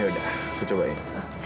ya udah aku cobain